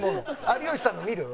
有吉さんの見る？